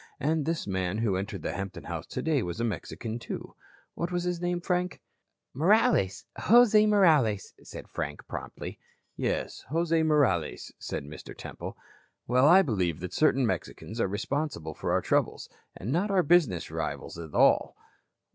And this man who entered the Hampton house today was a Mexican, too. What was his name, Frank?" "Morales. Jose Morales," said Frank, promptly. "Yes, Jose Morales," said Mr. Temple. "Well, I believe that certain Mexicans are responsible for our troubles, and not our business rivals, at all."